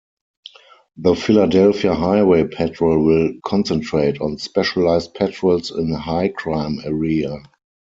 The Philadelphia Highway Patrol will concentrate on specialized patrols in high-crime area.